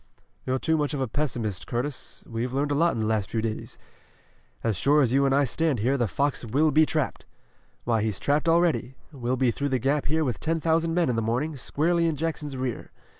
"You're too much of a pessimist, Curtis. We've learned a lot in the last few days. As sure as you and I stand here the fox will be trapped. Why, he's trapped already. We'll be through the Gap here with ten thousand men in the morning, squarely in Jackson's rear.